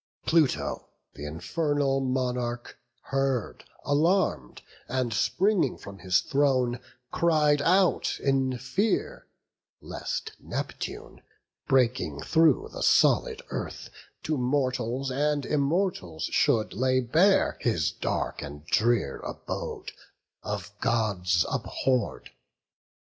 Pluto, th' infernal monarch, heard alarm'd, And, springing from his throne, cried out in fear, Lest Neptune, breaking through the solid earth, To mortals and Immortals should lay bare His dark and drear abode, of Gods abhorr'd.